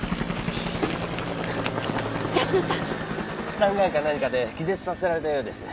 スタンガンか何かで気絶させられたようです。